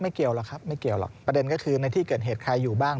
เกี่ยวหรอกครับไม่เกี่ยวหรอกประเด็นก็คือในที่เกิดเหตุใครอยู่บ้าง